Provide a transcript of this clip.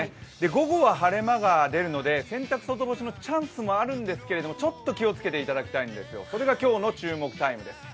午後は晴れ間が出るので洗濯外干しのチャンスもありますがちょっと気をつけていただきたいんです、それが今日の注目タイムです。